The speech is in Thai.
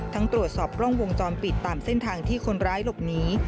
ตรวจสอบกล้องวงจรปิดตามเส้นทางที่คนร้ายหลบหนี